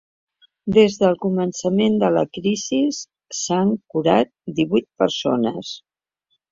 Des del començament de la crisi s’han curat divuit persones.